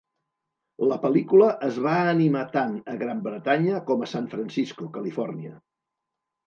La pel·lícula es va animar tant a Gran Bretanya com a San Francisco, Califòrnia.